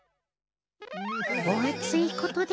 おあついことで。